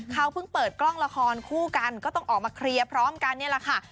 เขาเพิ่งเปิดกล้องละครคู่กันก็ต้องออกมาเคลียร์พร้อมกันนี่แหละค่ะ